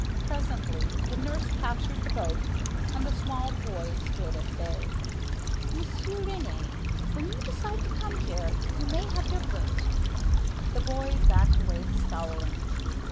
Presently the nurse captured the boat, and the small boy stood at bay. "Monsieur René, when you decide to come here you may have your boat." The boy backed away scowling.